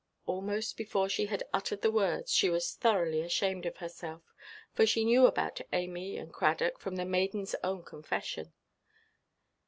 Almost before she had uttered the words, she was thoroughly ashamed of herself, for she knew about Amy and Cradock from the maidenʼs own confession.